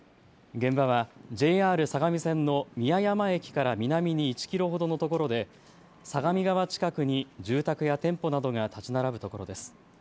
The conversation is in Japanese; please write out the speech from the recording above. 現場はＪＲ相模線の宮山駅から南に１キロほどのところで相模川近くに住宅や店舗などが建ち並ぶところです。